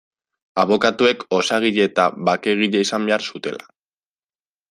Abokatuek osagile eta bakegile izan behar zutela.